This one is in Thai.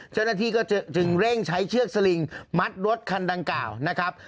เจ้าหน้าที่ก็จึงเร่งใช้เชือกสลิงมัดรถคันดังกล่าวนะครับ